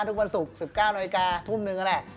ทุกวันศุกร์๑๙นทุ่ม๑นนั่นแหละ